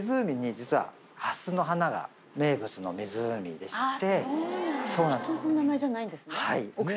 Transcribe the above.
実はハスの花が名物の湖でして。